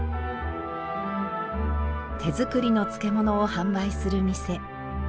手作りの漬物を販売する店。